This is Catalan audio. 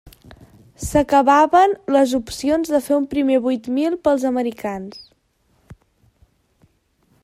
S'acabaven les opcions de fer un primer vuit mil pels americans.